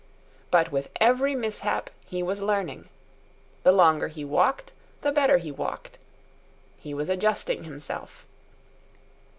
But with every mishap he was learning. The longer he walked, the better he walked. He was adjusting himself.